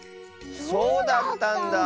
そうだったんだ。